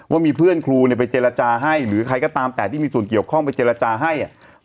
ว่ามีเพื่อนครูเนี่ยไปเจรจาให้หรือใครก็ตามแต่ที่มีส่วนเกี่ยวข้องไปเจรจาให้